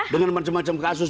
dengan macam macam kasus